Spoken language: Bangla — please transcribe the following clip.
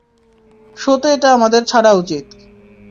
শোতে এটা আমাদের ছাড়া উচিৎ।